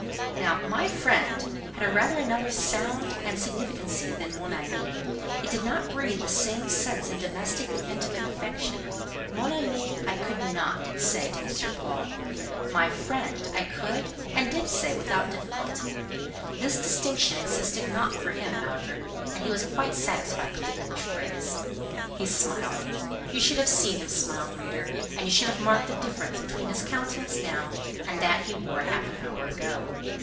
Now, "my friend" had rather another sound and significancy than "mon ami;" it did not breathe the same sense of domestic and intimate affection; "mon ami" I could not say to M. Paul; "my friend," I could, and did say without difficulty. This distinction existed not for him, however, and he was quite satisfied with the English phrase. He smiled. You should have seen him smile, reader; and you should have marked the difference between his countenance now, and that he wore half an hour ago.